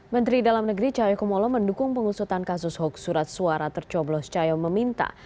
menteri dalam negeri cahaya kumolo mendukung pengusutan kasus hoax surat suara tercoblos cahaya meminta